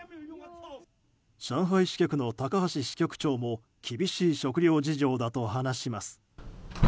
上海支局の高橋支局長も厳しい食料事情だと話します。